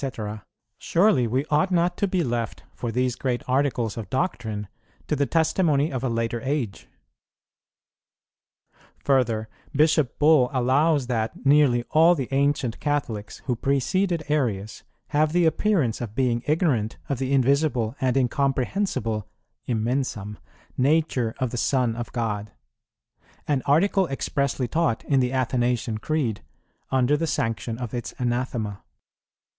_, surely we ought not to be left for these great articles of doctrine to the testimony of a later age. Further, Bishop Bull allows that "nearly all the ancient Catholics who preceded Arius have the appearance of being ignorant of the invisible and incomprehensible (immensam) nature of the Son of God;"[18:2] an article expressly taught in the Athanasian Creed under the sanction of its anathema.